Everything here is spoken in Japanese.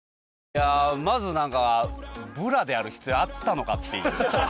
いやあまずブラである必要あったのかっていう。